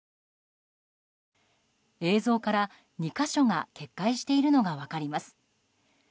映像から、２か所が決壊しているのが分かります。